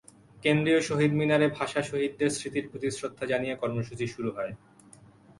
কেন্দ্রীয় শহীদ মিনারে ভাষা শহীদদের স্মৃতির প্রতি শ্রদ্ধা জানিয়ে কর্মসূচি শুরু হয়।